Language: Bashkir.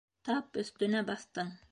— Тап өҫтөнә баҫтың!